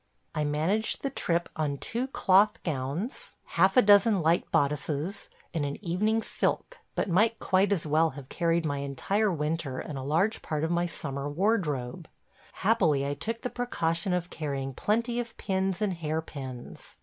I managed the trip on two cloth gowns, half a dozen light bodices, and an evening silk, but might quite as well have carried my entire winter and a large part of my summer wardrobe. Happily I took the precaution of carrying plenty of pins and hair pins.